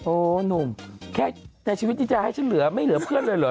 โอ้วนุ่มแต่ชีวิตนี้จะให้ฉันหรือไม่เหลือเพื่อนเลยหรือ